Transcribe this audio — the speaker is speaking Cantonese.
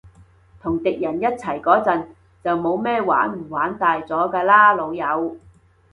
同敵人一齊嗰陣，就冇咩玩唔玩大咗㗎喇，老友